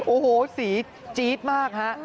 โอ้โฮสีจี๊ดมาก